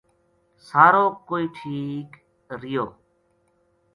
سارو کوئی ٹھیک رہیو